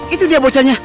itu dia bocanya